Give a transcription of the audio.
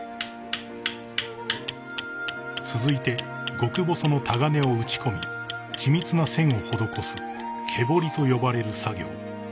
［続いて極細のたがねを打ち込み緻密な線を施す毛彫りと呼ばれる作業］